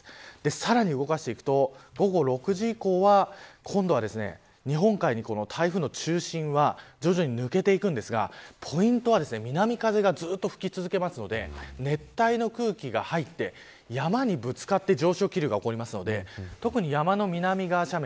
さらに動かしていくと午後６時以降は今度は、日本海に台風の中心は徐々に抜けていくんですがポイントは、南風がずっと吹き続けるので熱帯の空気が入って山にぶつかって上昇気流が起こるので特に山の南側斜面